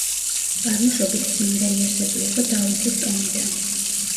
წარმოშობით წმინდა იოსები იყო დავითის ტომიდან.